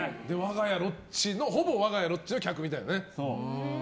ほぼ我が家、ロッチの客みたいなね。